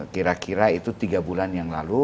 kira kira itu tiga bulan yang lalu